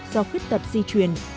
do khuyết tật di truyền